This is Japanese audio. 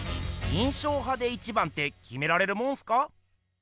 印象派で一番ってきめられるもんすか？